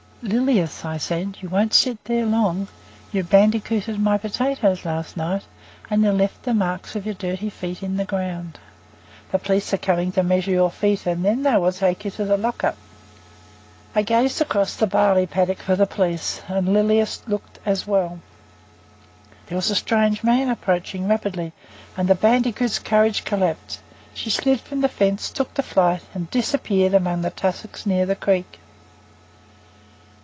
"Lilias," I replied, "you won't sit there long. You bandicooted my potatoes last night, and you've left the marks of your dirty feet on the ground. The police are coming to measure your feet, and then they will take you to the lock up." I gazed across the barley paddock for the police, and Lilias looked as well. There was a strange man approaching rapidly, and the bandicoot's courage collapsed. She slid from the fence, took to flight, and disappeared among the tussocks near the creek.